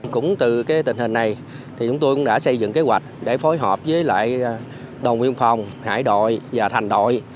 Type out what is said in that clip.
cũng từ tình hình này chúng tôi cũng đã xây dựng kế hoạch để phối hợp với lại đồng biên phòng hải đội và thành đội